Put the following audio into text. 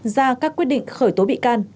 ra các quyết định khởi tố bị can